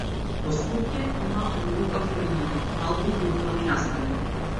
Во Скопје има многу кафулиња, но малку културни настани.